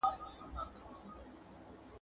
شکر ایسهمېشه د انسان د ایمان کمال دی.